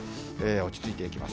落ち着いていきます。